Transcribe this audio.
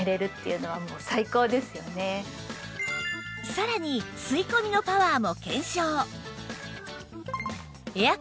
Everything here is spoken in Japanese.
さらに吸い込みのパワーも検証